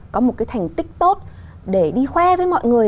có một cái thành tích tốt để đi khoe với mọi người